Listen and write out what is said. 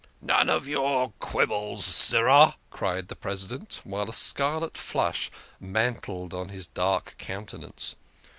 " None of your quibbles, sirrah," cried the President, while a scarlet flush mantled on his dark countenance.